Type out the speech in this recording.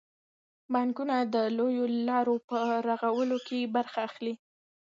بانکونه د لویو لارو په رغولو کې برخه اخلي.